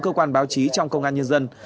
cơ quan báo chí trong công an nhân dân